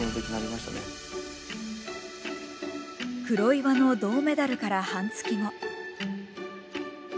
黒岩の銅メダルから半月後。